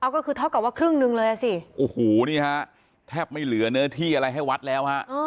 ก็คือเท่ากับว่าครึ่งหนึ่งเลยอ่ะสิโอ้โหนี่ฮะแทบไม่เหลือเนื้อที่อะไรให้วัดแล้วฮะ